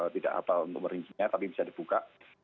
tidak apa untuk merincinya tapi bisa dibuka